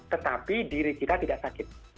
tetapi diri kita tidak sakit